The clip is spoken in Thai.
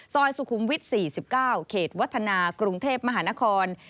ซอยสุขุมวิท๔๙เขตวัฒนากรุงเทพมหานคร